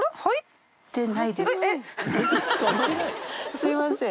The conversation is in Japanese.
すみません